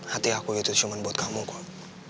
hati aku itu cuma buat kamu kok